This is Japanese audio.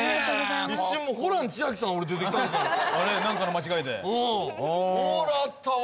一瞬ホラン千秋さん出てきたかと何かの間違いでオーラあったわ